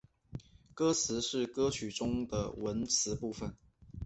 歌词是歌曲中的文词部分。